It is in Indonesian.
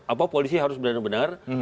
apa polisi harus benar benar